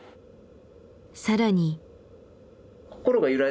更に。